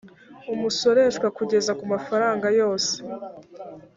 umusoreshwa kugeza ku mafaranga yose